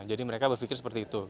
jadi mereka berpikir seperti itu